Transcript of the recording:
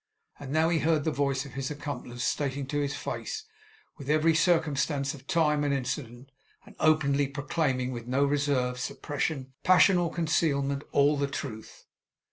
And now he heard the voice of his accomplice stating to his face, with every circumstance of time and place and incident; and openly proclaiming, with no reserve, suppression, passion, or concealment; all the truth.